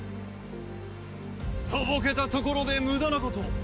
とぼけたところで無駄なこと。